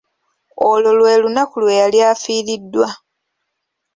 Olwo lwe lunaku lwe yali afiiridwa.